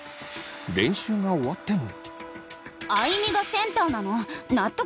練習が終わっても。